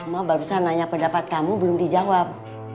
mak barusan nanya pendapat kamu belum dijawab